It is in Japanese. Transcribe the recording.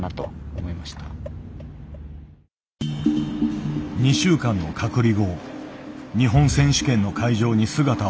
２週間の隔離後日本選手権の会場に姿を現した。